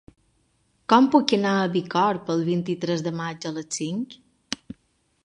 Com puc anar a Bicorb el vint-i-tres de maig a les cinc?